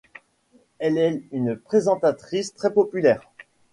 Elle est une présentatrice très populaire.